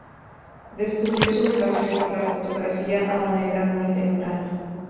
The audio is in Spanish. Descubrió su vocación por la fotografía a una edad muy temprana.